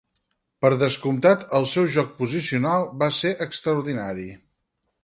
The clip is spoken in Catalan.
Per descomptat, el seu joc posicional va ser extraordinari.